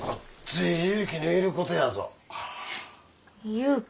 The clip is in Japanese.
勇気？